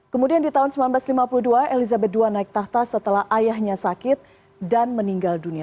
kemudian di tahun seribu sembilan ratus lima puluh dua elizabeth ii naik tahta setelah ayahnya sakit dan meninggal dunia